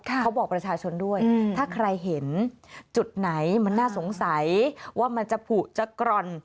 เขาบอกประชาชนด้วยถ้าใครเห็นจุดไหนมันน่าสงสัยว่ามันจะผูกจะกร่อน